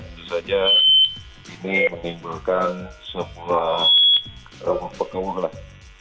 tentu saja ini menimbulkan sebuah kekeulah